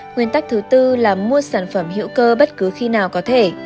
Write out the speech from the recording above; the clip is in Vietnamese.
nguyên tắc thứ tư là mua sản phẩm hữu cơ bất cứ khi nào có thể